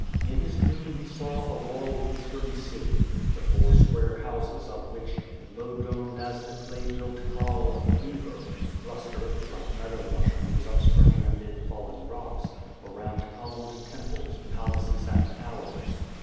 In his dream he saw a walled Eastern city, the four square houses of which, low domed as the clay built kraal of the beaver, clustered (like meadow mushrooms upspringing amid fallen rocks) around columned temples, palaces, and towers.